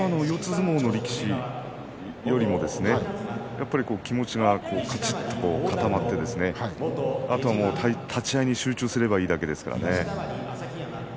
相撲の力士よりもやっぱり気持ちがかちっと固まってあとは立ち合いに集中すればいいだけですからね。